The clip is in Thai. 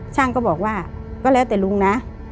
ช่างก็บอกว่าก็แล้วแต่ลุงนะ